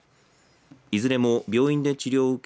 いずれも病院で治療を受け